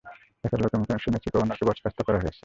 তাছাড়া, লোকমুখে শুনেছি, গভর্নরকে বরখাস্ত করা হয়েছে।